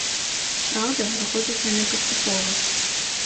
Праўда, выходзяць яны паступова.